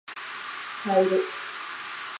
ファイル